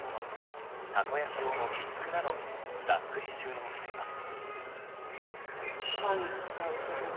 たこ焼き用のピックなどざっくり収納しています。